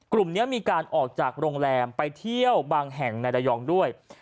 กลุ่มนี้มีการออกจากโรงแรมไปเที่ยวบางแห่งในระยองด้วย